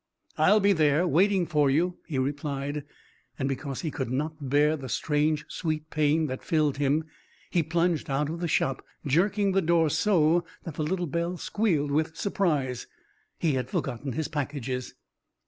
"I'll be there, waiting for you," he replied, and because he could not bear the strange sweet pain that filled him he plunged out of the shop, jerking the door so that the little bell squealed with surprise. He had forgotten his packages.